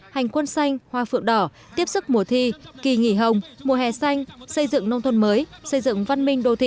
hành quân xanh hoa phượng đỏ tiếp sức mùa thi kỳ nghỉ hồng mùa hè xanh xây dựng nông thôn mới xây dựng văn minh đô thị